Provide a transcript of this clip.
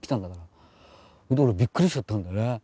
俺びっくりしちゃったんだよね。